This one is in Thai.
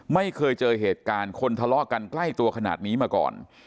ไม่เคยเจอเหตุการณ์คนทะเลาะกันใกล้ตัวขนาดนี้มาก่อน